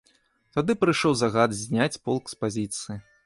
Тады прыйшоў загад зняць полк з пазіцыі.